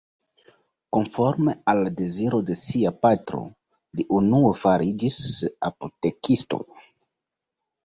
Konforme al la deziro de sia patro li unue fariĝis apotekisto.